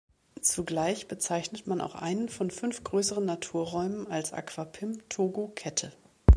Zugleich bezeichnet man auch einen von fünf größeren Naturräumen als Akwapim-Togo-Kette.